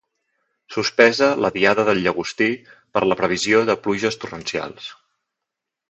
Suspesa la diada del llagostí per la previsió de pluges torrencials